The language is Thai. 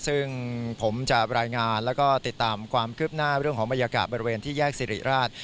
ซึ่งผมจะรายงานแล้วก็ติดตามความคืบหน้าเรื่องของบรรยากาศบริเวณที่แยกสิริราช